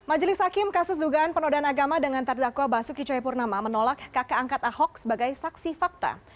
majelis hakim kasus dugaan penodaan agama dengan terdakwa basuki coyapurnama menolak kakak angkat ahok sebagai saksi fakta